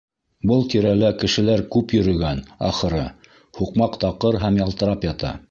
Был тирәлә кешеләр күп йөрөгән, ахыры, һуҡмаҡ таҡыр һәм ялтырап ята.